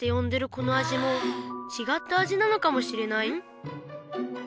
このあじもちがったあじなのかもしれない